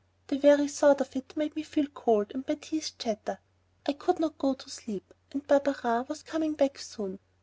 The very thought of it made me feel cold and my teeth chatter. I could not go to sleep. And Barberin was coming back soon!